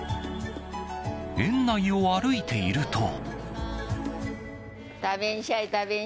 園内を歩いていると。